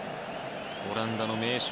オランダの名将